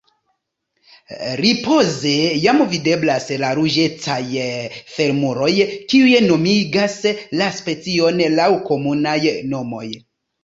Ripoze jam videblas la ruĝecaj femuroj kiuj nomigas la specion laŭ komunaj nomoj.